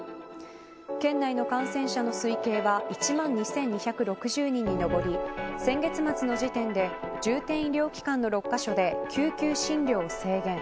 県内の感染者の推計は１万２２６０人に上り先月末の時点で重点医療機関の６カ所で救急診療を制限。